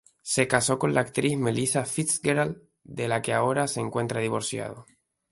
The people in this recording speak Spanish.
Se casó con la actriz Melissa Fitzgerald, de la que ahora se encuentra divorciado.